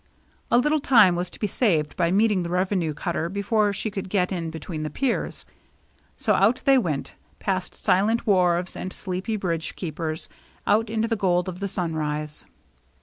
A little time was to be saved by meeting the revenue cutter before she could get in between the piers. So out they went, past silent wharves and sleepy bridge keepers, out into the gold of the sunrise.